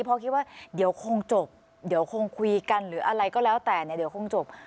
เพราะคิดว่าเดี๋ยวคงจบเดี๋ยวคงคุยกันหรืออะไรก็แล้วแต่เนี่ยเดี๋ยวคงจบ